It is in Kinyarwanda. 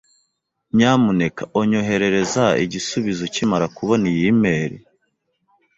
Nyamuneka onyoherereza igisubizo ukimara kubona iyi mail.